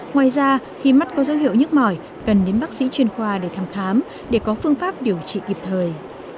ngoài ra khi mắt có dấu hiệu nhức mỏi cần đến bác sĩ chuyên khoa để thăm khám để có phương pháp điều trị kịp thời